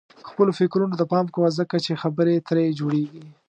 خپلو فکرونو ته پام کوه ځکه چې خبرې ترې جوړيږي.